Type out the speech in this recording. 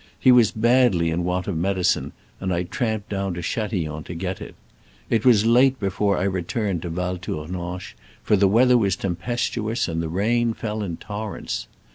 He was badly in want of medicine, and I tramped down to Chatillon to get it. It was late before I returned to Val Tournanche, for the weather was tempestuous and rain fell in torrents.